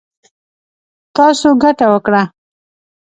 نـو تـاسو ګـټـه وكړه.